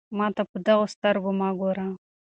ما ته په دغو سترګو مه ګوره.